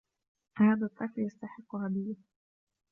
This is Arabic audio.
هذا الطفل يستحق هدية.